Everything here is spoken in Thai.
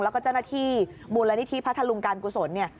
แล้วก็เจ้าหน้าที่มูลนิธิพัทธรุงการกุศลเนี่ย